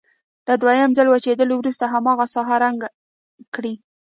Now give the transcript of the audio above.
له دویم ځل وچېدلو وروسته هماغه ساحه رنګ کړئ.